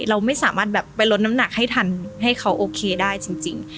เราไม่สามารถแบบไปลดน้ำหนักให้ทันให้เขาโอเคได้จริง